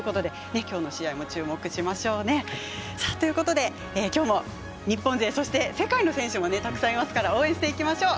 きょうの試合も注目しましょうね。ということできょうも日本勢、そして世界の選手もたくさんいますから応援していきましょう。